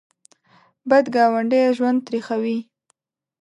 بد ګاونډی ژوند تریخوي